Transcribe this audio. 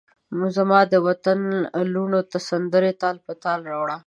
زمادوطن لوڼوته سندرې تال په تال راوړه